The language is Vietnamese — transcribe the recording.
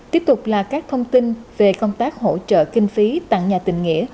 tiếp tục là các thông tin về công tác hỗ trợ kinh phí tặng nhà tình nghĩa